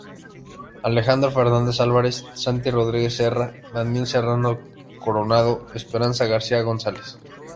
Alejandro Fernández Álvarez, Santi Rodríguez Serra, Daniel Serrano Coronado, Esperanza García González.